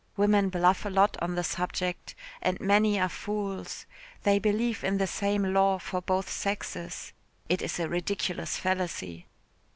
Women bluff a lot on the subject and many are fools. They believe in the same law for both sexes. It is a ridiculous fallacy.